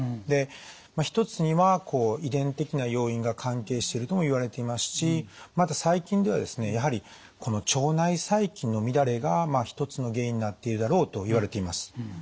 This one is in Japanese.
で一つには遺伝的な要因が関係しているともいわれていますしまた最近ではですねやはり腸内細菌の乱れが一つの原因になっているだろうといわれています。